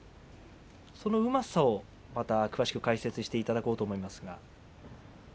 そのうまさを解説していただこうと思います。